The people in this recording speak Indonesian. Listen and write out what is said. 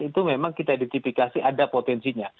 itu memang kita identifikasi ada potensinya